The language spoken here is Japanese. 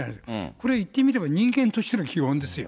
これ言ってみれば人間としての基本ですよ。